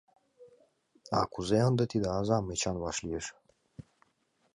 А кузе ынде тиде азам Эчан вашлиеш?